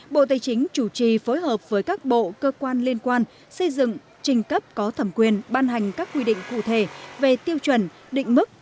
bộ tây chính chủ trì phối hợp với các bộ cơ quan liên quan xây dựng trình cấp có thẩm quyền ban hành các quy định cụ thể về tiêu chuẩn định mức